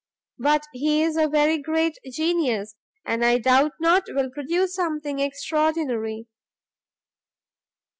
But he is a very great genius, and I doubt not will produce something extraordinary."